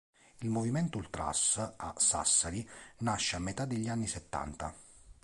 Il movimento ultras a Sassari nasce a metà degli anni settanta.